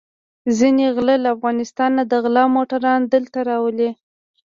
ځينې غله له افغانستانه د غلا موټران دلته راولي.